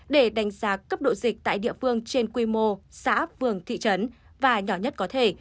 để đánh giá cấp độ dịch tại địa phương trên quy mô xã vườn thị trấn và nhỏ nhất có thể